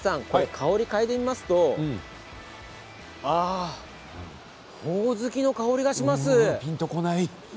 香りを嗅いでみますとああほおずきの香りがします。